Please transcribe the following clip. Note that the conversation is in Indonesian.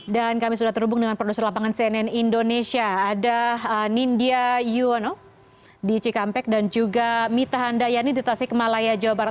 dan kami sudah terhubung dengan produser lapangan cnn indonesia ada nindya yuwono di cikampek dan juga mita handayani di tasikmalaya jawa barat